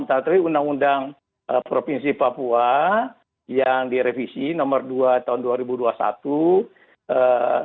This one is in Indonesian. tapi undang undang provinsi papua yang direvisi nomor dua tahun dua ribu dua puluh satu